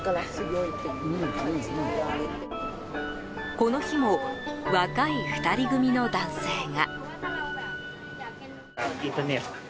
この日も若い２人組の男性が。